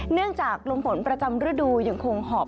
เนื่องจากลมฝนประจำฤดูยังคงหอบ